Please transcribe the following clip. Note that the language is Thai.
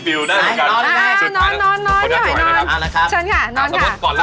อ้าวละครับเชิญค่ะนอนค่ะนอนค่ะนอนค่ะ